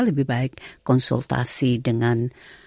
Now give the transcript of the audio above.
lebih baik konsultasi dengan